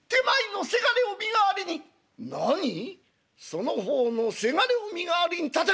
その方のせがれを身代わりに立てるか！」。